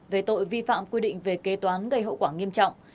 về tội vi phạm quy định về kế toán gây hậu quả nghiêm trọng